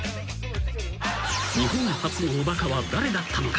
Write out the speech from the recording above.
［日本初のおバカは誰だったのか？］